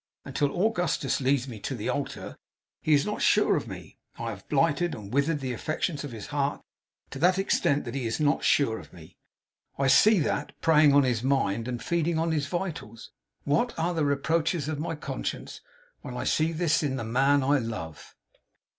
Until Augustus leads me to the altar he is not sure of me. I have blighted and withered the affections of his heart to that extent that he is not sure of me. I see that preying on his mind and feeding on his vitals. What are the reproaches of my conscience, when I see this in the man I love!